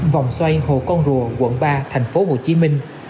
vòng xoay hồ con rùa quận ba thành phố hồ chí minh